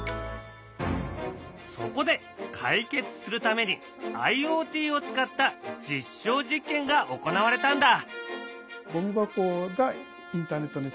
そこで解決するためにＩｏＴを使った実証実験が行われたんだ。